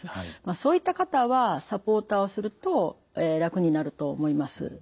そういった方はサポーターをすると楽になると思います。